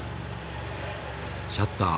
シャッター